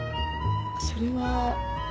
それは。